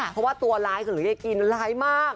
เพราะว่าตัวร้ายของยายกินร้ายมาก